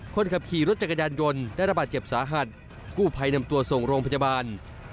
คนขับขี่รถจักรยานยนต์ได้ระบาดเจ็บสาหัสกู้ภัยนำตัวส่งโรงพยาบาล